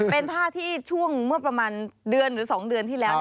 เป็นท่าที่ช่วงเมื่อประมาณเดือนหรือ๒เดือนที่แล้ว